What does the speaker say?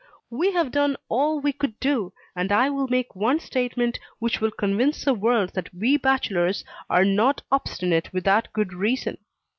We have done all we could do, and I will make one statement which will convince the world that we bachelors are not obstinate without good reason.